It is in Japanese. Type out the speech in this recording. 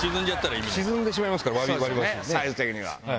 サイズ的には。